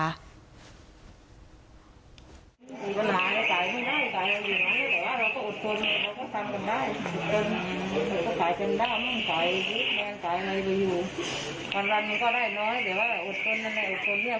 แม่ของผู้เสียชีวิตก็บอกกับตำรวจนะคะว่าลูกสาวถูกแฟนเก่าตามราวีด้วย